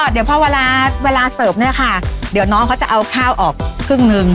เดี๋ยวพอเวลาเสิร์ฟเนี่ยค่ะเดี๋ยวน้องเขาจะเอาข้าวออกครึ่งหนึ่ง